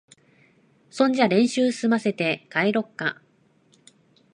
そんじゃ練習すませて、帰ろっか。